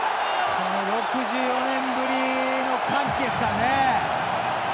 ６４年ぶりの歓喜ですからね。